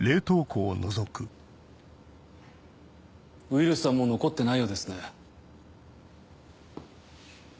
ウイルスはもう残ってないようですね。